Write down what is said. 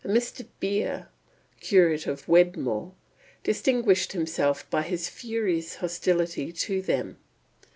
A Mr. Bere, curate of Wedmore, distinguished himself by his furious hostility to them.